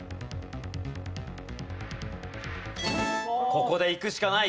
ここでいくしかない。